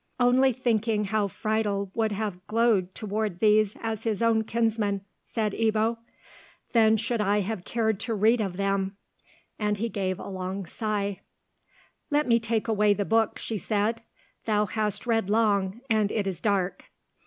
"Only thinking how Friedel would have glowed towards these as his own kinsmen," said Ebbo. "Then should I have cared to read of them!" and he gave a long sigh. "Let me take away the book," she said. "Thou hast read long, and it is dark."